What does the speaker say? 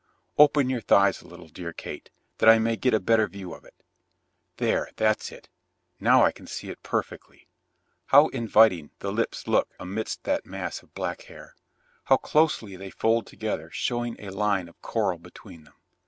Open your thighs a little, dear Kate, that I may get a better view of it. There, that's it, now I can see it perfectly. How inviting the lips look amidst that mass of black hair! How closely they fold together showing a line of coral between them!